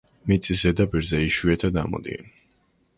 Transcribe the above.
მიწის ზედაპირზე იშვიათად ამოდიან.